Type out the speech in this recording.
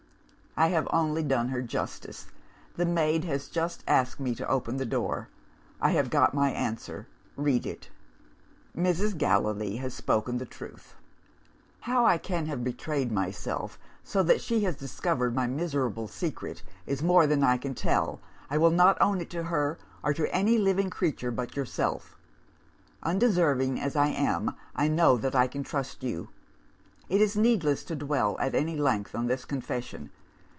"I have only done her justice. The maid has just asked me to open the door. I have got my answer. Read it." "'Mrs. Gallilee has spoken the truth. "'How I can have betrayed myself so that she has discovered my miserable secret is more than I can tell I will not own it to her or to any living creature but yourself. Undeserving as I am, I know that I can trust you. "It is needless to dwell at any length on this confession.